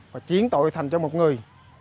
và chiến tội thành cho một người